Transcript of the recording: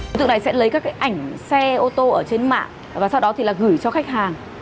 đối tượng này sẽ lấy các cái ảnh xe ô tô ở trên mạng và sau đó thì là gửi cho khách hàng